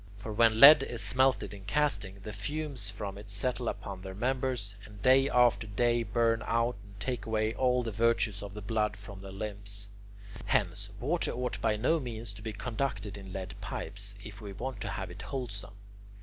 For when lead is smelted in casting, the fumes from it settle upon their members, and day after day burn out and take away all the virtues of the blood from their limbs. Hence, water ought by no means to be conducted in lead pipes, if we want to have it wholesome.